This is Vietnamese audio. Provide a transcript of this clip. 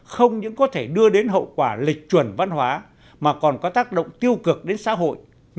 không những có thể đưa đến hậu quả lịch chuẩn văn hóa mà còn có tác động tiêu cực đến xã hội nhất là giới trẻ